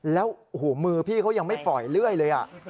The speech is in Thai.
แล้วมือพี่เขายังไม่ปล่อยเลื่อยเลย